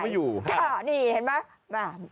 สุดท้าย